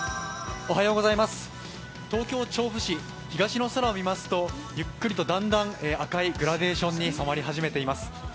東京・調布市、東の空を見ますとゆっくりとだんだん赤いグラデーションに染まり始めています。